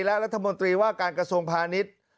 และรัฐมนตรีว่าการกระทรวงพาณิชย์